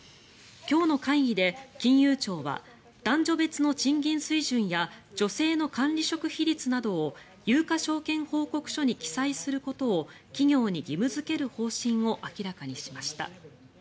今日の会議で金融庁は男女別の賃金水準や女性の管理職比率などを有価証券報告書に記載することを企業に義務付ける方針を明らかにしました。